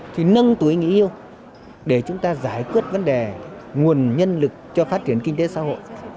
thì nâng tuổi nghỉ hưu để chúng ta giải quyết vấn đề nguồn nhân lực cho phát triển kinh tế xã hội